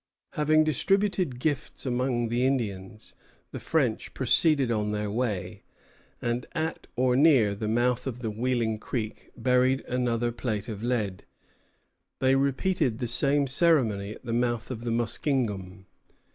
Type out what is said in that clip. Having distributed gifts among the Indians, the French proceeded on their way, and at or near the mouth of Wheeling Creek buried another plate of lead. They repeated the same ceremony at the mouth of the Muskingum.